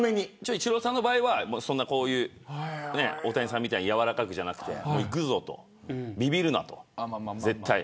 イチローさんの場合は大谷さんみたいに柔らかくじゃなくていくぞと、ビビるな絶対に。